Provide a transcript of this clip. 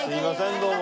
どうも。